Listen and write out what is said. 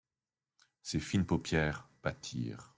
Ses fines paupières battirent.